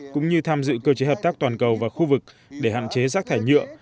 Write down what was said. cũng như tham dự cơ chế hợp tác toàn cầu và khu vực để hạn chế rác thải nhựa